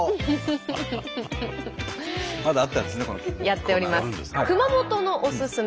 やっております。